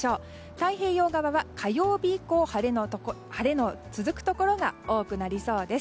太平洋側は火曜日以降晴れの続くところが多くなりそうです。